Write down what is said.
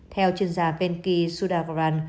theo chuyên gia venky sudhavaran